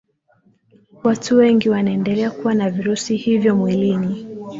watu wengi wanaendelea kuwa na virusi hivyo mwilini